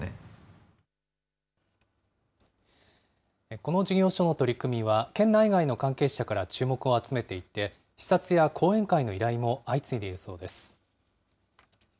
この事業所の取り組みは、県内外の関係者から注目を集めていて、視察や講演会の依頼も相次いでいるそうです。